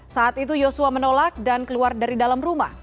saat itu yosua menolak dan keluar dari dalam rumah